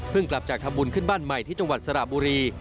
กลับจากทำบุญขึ้นบ้านใหม่ที่จังหวัดสระบุรี